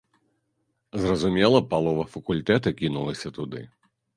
Зразумела, палова факультэта кінулася туды.